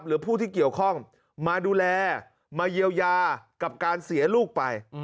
หรือผู้ที่เกี่ยวข้องมาดูแลมาเยียวยากับการเสียลูกไป